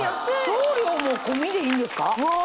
送料も込みでいいんですか！